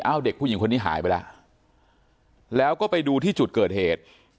เด็กผู้หญิงคนนี้หายไปแล้วแล้วก็ไปดูที่จุดเกิดเหตุ